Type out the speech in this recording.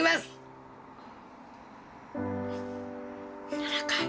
柔らかい。